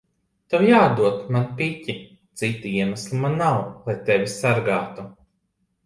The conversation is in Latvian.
Tev jāatdod man piķi. Cita iemesla man nav, lai tevi sargātu.